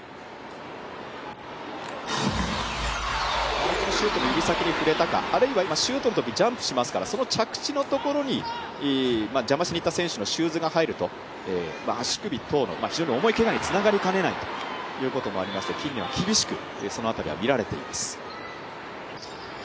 相手のシュートの指先に触れたか、あるいはシュートの時ジャンプしますからその着地のところに邪魔しにいった選手のシューズが入ると足首等の非常に重いけがにつながりかねないということもありますので、近年は厳しくそのあたりは見られています。